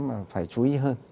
mà phải chú ý hơn